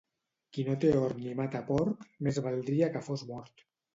Qui no té hort ni mata porc, més valdria que fos mort.